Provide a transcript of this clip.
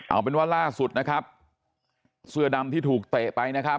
เอาเป็นว่าล่าสุดเสื้อดำที่ถูกเตะไป